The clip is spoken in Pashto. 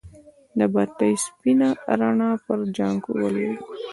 د بتۍ سپينه رڼا پر جانکو ولګېده.